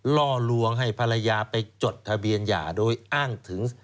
ล่อลวงให้ภรรยาไปจดทะเบียนหย่าโดยอ้างถึง